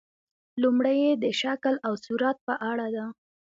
لومړۍ یې د شکل او صورت په اړه ده.